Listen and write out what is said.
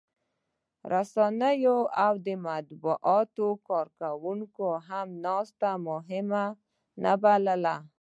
رسنیو او د مطبوعاتو کارکوونکو هم ناسته مهمه نه بلله